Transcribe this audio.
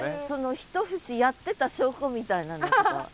一節やってた証拠みたいなのとか。